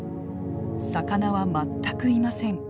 魚は全くいません。